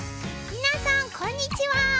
みなさんこんにちは。